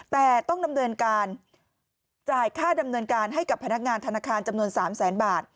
แต่ต้องจ่ายค่าดำเนินการให้กับพนักงานธนาคารจำนวน๓๐๐๐๐๐บาท